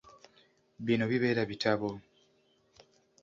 Bino bibeera bitabo.